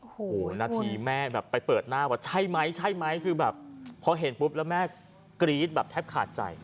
โอ้โหนาทีแม่แบบไปเปิดหน้าว่าใช่ไหมใช่ไหมคือแบบพอเห็นปุ๊บแล้วแม่กรี๊ดแบบแทบขาดใจ